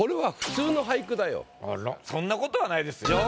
そんなことはないですよ。